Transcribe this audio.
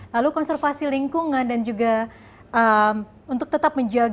lalu konservasi lingkungan dan juga untuk tetap menjaga supaya kalimantan sebagai negara yang lebih baik